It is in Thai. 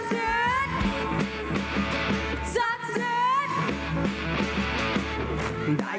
จิงแววมันจะโฟย์จิงแววมันจะโฟย์